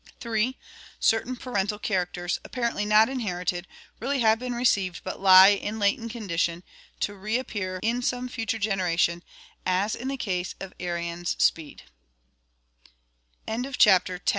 3. Certain parental characters, apparently not inherited, really have been received but lie in latent condition, to reappear in some future generation, as in the case of Arion'